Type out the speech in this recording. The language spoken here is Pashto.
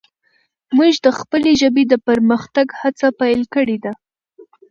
موږ د خپلې ژبې د پرمختګ هڅه پیل کړي ده.